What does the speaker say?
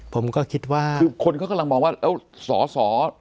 ผมก็คิดว่าคือคนเขากำลังมองว่าแล้วสอสอ